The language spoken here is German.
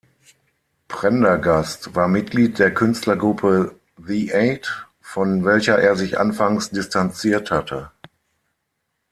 Prendergast war Mitglied der Künstlergruppe The Eight, von welcher er sich anfangs distanziert hatte.